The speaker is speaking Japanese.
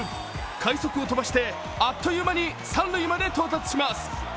快足を飛ばして、あっという間に三塁まで到達します。